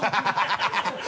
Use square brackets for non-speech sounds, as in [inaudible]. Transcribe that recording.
ハハハ [laughs]